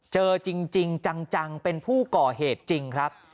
เจอจริงจังเป็นผู้ก่อเหตุจริงครับ